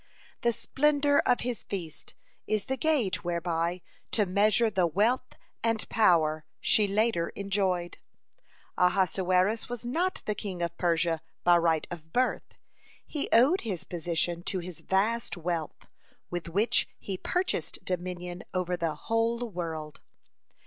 The splendor of his feast is the gauge whereby to measure the wealth and power she later enjoyed. (3) Ahasuerus was not the king of Persia by right of birth. He owed his position to his vast wealth, with which he purchased dominion over the whole world.